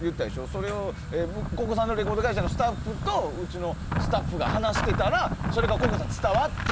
それをＣｏｃｃｏさんのレコード会社のスタッフとうちのスタッフが話してたらそれがＣｏｃｃｏさんに伝わって。